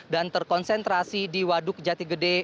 dan terkonsentrasi di waduk jatigedung